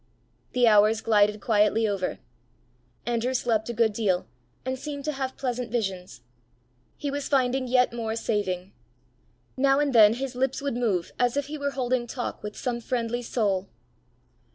The hours glided quietly over. Andrew slept a good deal, and seemed to have pleasant visions. He was finding yet more saving. Now and then his lips would move as if he were holding talk with some friendly soul.